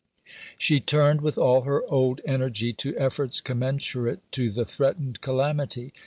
She turned with all her old energy to efforts commensurate to the threatened calamity.